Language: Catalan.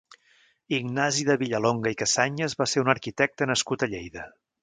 Ignasi de Villalonga i Casañes va ser un arquitecte nascut a Lleida.